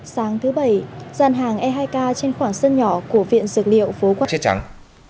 sáng thứ bảy gian hàng e hai k trên khoảng sân nhỏ của viện dược liệu phố quảng trịt trắng